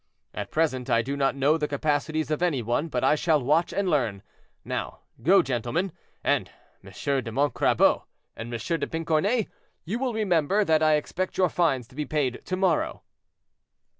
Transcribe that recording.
At present I do not know the capacities of any one, but I shall watch and learn. Now, go, gentlemen; and M. de Montcrabeau and M. de Pincornay, you will remember that I expect your fines to be paid to morrow."